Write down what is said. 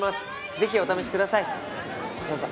ぜひお試しください。